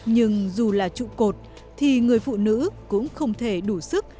nhưng dù là trụ cột thì người phụ nữ cũng không thể đủ sức